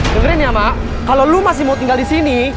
dengerin ya ma kalo lu masih mau tinggal disini